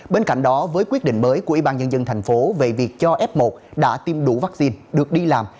bên cạnh đó với quyết định mới của ybnd tp hcm về việc cho f một đã tiêm đủ vaccine được đi làm